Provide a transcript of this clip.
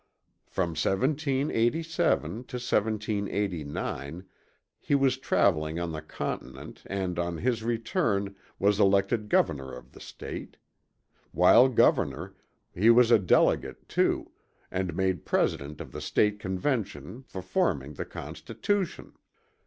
From 1787 to 1789, he was traveling on the Continent and on his return, was elected Governor of the State. While Governor, he was a delegate to, and made president of the State Convention for forming the Constitution.